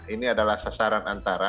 ini adalah sasaran antara